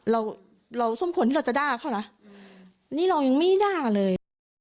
เราทรงฉลาดดีเราจะด้าเขาอยากนี่เรายังไม่ได้เลย